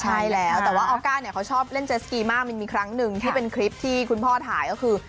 ใช่แล้วแต่ว่าออก้าเนี่ยเขาชอบเล่นเจสกีมากมันมีครั้งหนึ่งที่เป็นคลิปที่คุณพ่อถ่ายก็คือ